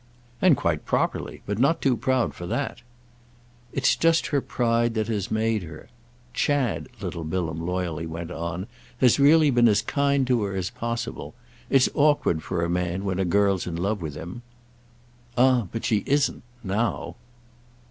"And quite properly. But not too proud for that." "It's just her pride that has made her. Chad," little Bilham loyally went on, "has really been as kind to her as possible. It's awkward for a man when a girl's in love with him." "Ah but she isn't—now."